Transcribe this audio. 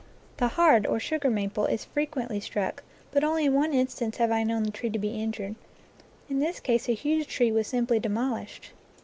The hard, or sugar, maple, is frequently struck, but only in one instance have I known the tree to be injured. In this case a huge tree was simply demolished.